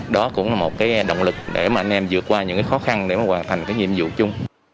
đó cũng là một cái động lực để mà anh em vượt qua những cái khó khăn để mà hoàn thành cái nhiệm vụ chung